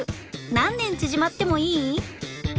何年縮まってもいい？